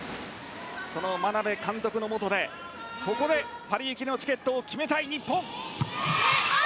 その眞鍋監督のもとでここでパリ行きのチケットを決めたい日本。